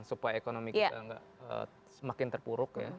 supaya ekonomi kita nggak semakin terpuruk ya